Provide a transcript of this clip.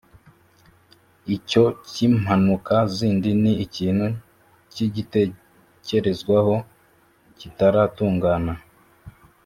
icyo cy’impanuka zindi ni ikintu kigitekerezwaho kitaratungana